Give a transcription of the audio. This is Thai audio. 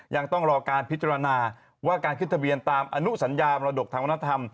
ยังต้องรอการพิจารณาว่าการขึ้นทะเบียนตามอนุสัญญามรดกทางวัฒนธรรม